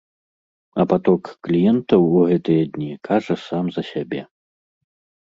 А паток кліентаў у гэтыя дні кажа сам за сябе.